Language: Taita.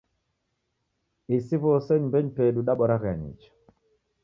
Isi w'ose nyumbenyi pedu daboragha nicha.